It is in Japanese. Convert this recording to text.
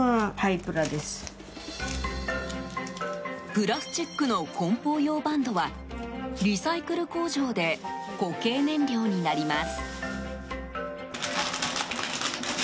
プラスチックの梱包用バンドはリサイクル工場で固形燃料になります。